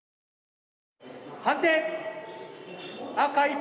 判定。